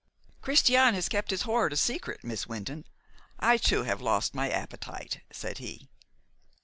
"Christian kept his hoard a secret, Miss Wynton. I too have lost my appetite," said he.